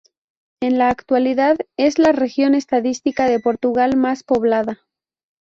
En la actualidad es la región estadística de Portugal más poblada.